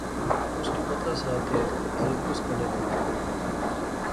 اس کی پتا سا کہ ہل کس کنے بنا